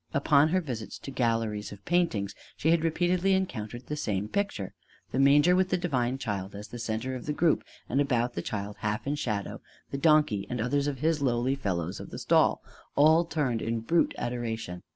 Upon her visits to galleries of paintings she had repeatedly encountered the same picture: The Manger with the Divine Child as the centre of the group; and about the Child, half in shadow, the donkey and others of his lowly fellows of the stall all turned in brute adoration.